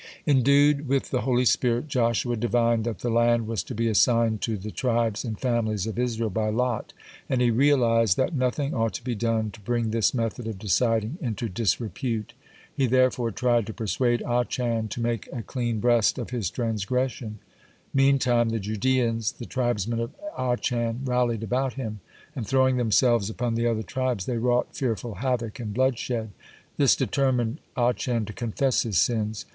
Endued with the holy spirit, Joshua divined that the land was to be assigned to the tribes and families of Israel by lot, and he realized that nothing ought to be done to bring this method of deciding into disrepute. He, therefore, tried to persuade Achan to make a clean breast of his transgression. (29) Meantime, the Judeans, the tribesmen of Achan, rallied about him, and throwing themselves upon the other tribes, they wrought fearful havoc and bloodshed. This determined Achan to confess his sins.